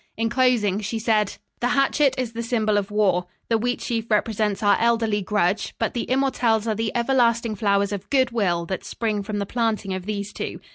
In closing she said: "The hatchet is the symbol of war. The wheat sheaf represents our elderly grudge; but the immortelles are the everlasting flowers of good will that spring from the planting of these two.